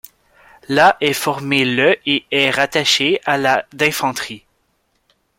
La est formée le et est rattachée à la d'infanterie.